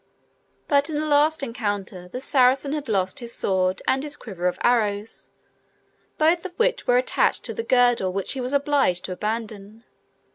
But in the last encounter the Saracen had lost his sword and his quiver of arrows, both of which were attached to the girdle which he was obliged to abandon.